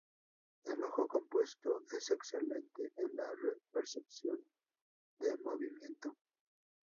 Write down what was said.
El ojo compuesto es excelente en la percepción de movimiento.